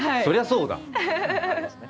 そりゃそうだ。